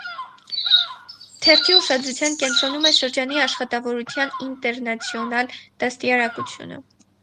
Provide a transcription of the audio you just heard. Թերթի ուշադրության կենտրոնում է շրջանի աշխատավորության ինտերնացիոնալ դաստիարակությունը։